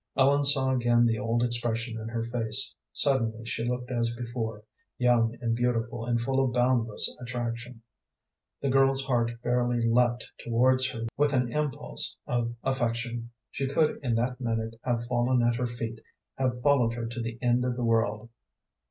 Ellen saw again the old expression in her face; suddenly she looked as before, young and beautiful, and full of a boundless attraction. The girl's heart fairly leaped towards her with an impulse of affection. She could in that minute have fallen at her feet, have followed her to the end of the world.